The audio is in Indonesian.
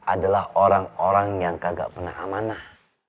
adalah orang orang yang kagak pernah amanah